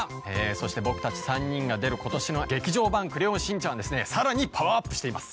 そしてボクたち３人が出る今年の『劇場版クレヨンしんちゃん』はですねさらにパワーアップしています。